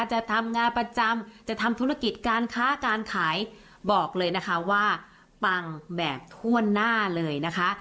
จะทำงานประจำจะทำธุรกิจการค้าการขายบอกเลยนะคะว่าปังแบบทั่วหน้าเลยนะคะ